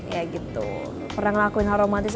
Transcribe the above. ya gitu pernah ngelakuin hal romantis